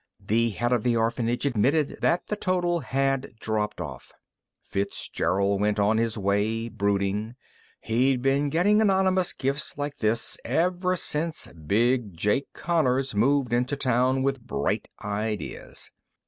The head of the orphanage admitted that the total had dropped off. Fitzgerald went on his way, brooding. He'd been getting anonymous gifts like this ever since Big Jake Connors moved into town with bright ideas.